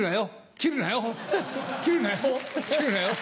切るなよ。